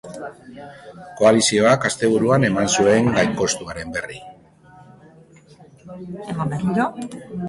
Koalizioak asteburuan eman zuen gainkostuaren berri.